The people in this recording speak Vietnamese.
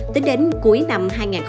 tính đến cuối năm hai nghìn hai mươi ba